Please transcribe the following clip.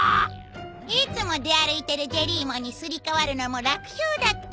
いつも出歩いてるジェリーモンにすり替わるのも楽勝だったさ。